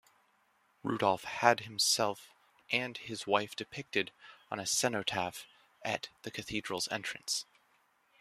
Rudolf had himself and his wife depicted on a cenotaph at the cathedral's entrance.